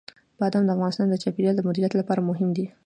بادام د افغانستان د چاپیریال د مدیریت لپاره مهم دي.